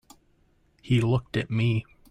He looked at me.